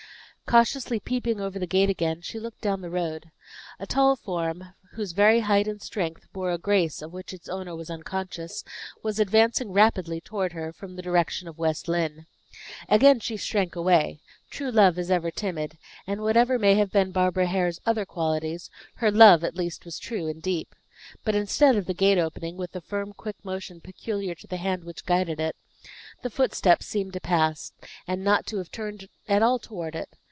Cautiously peeping over the gate again, she looked down the road. A tall form, whose very height and strength bore a grace of which its owner was unconscious, was advancing rapidly toward her from the direction of West Lynne. Again she shrank away; true love is ever timid; and whatever may have been Barbara Hare's other qualities, her love at least was true and deep. But instead of the gate opening, with the firm quick motion peculiar to the hand which guided it, the footsteps seemed to pass, and not to have turned at all toward it.